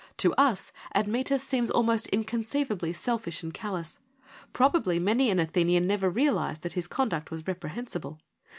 To us Admetus seems almost inconceivably selfish and callous : probably many an Athenian never realised that his conduct was reprehensible.